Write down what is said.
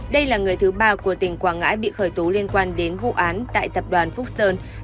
đây là người thứ ba của tỉnh quảng ngãi bị khởi tố liên quan đến vụ án tại tập đoàn phúc sơn